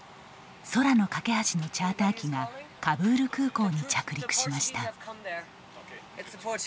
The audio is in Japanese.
空の架け橋のチャーター機がカブール空港に着陸しました。